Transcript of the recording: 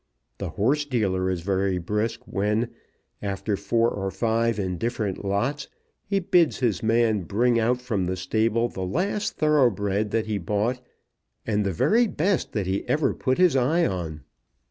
The horse dealer is very brisk when, after four or five indifferent lots, he bids his man bring out from the stable the last thorough bred that he bought, and the very best that he ever put his eye on.